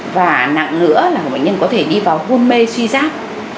và nặng nữa là bệnh nhân có thể đi vào hôn mê suy giáp